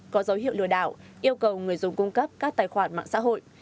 có dấu hiệu lừa đảo yêu cầu người dùng cung cấp các tài khoản mạng xã hội